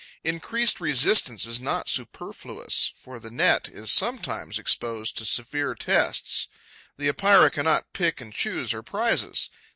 Increased resistance is not superfluous, for the net is sometimes exposed to severe tests. The Epeira cannot pick and choose her prizes.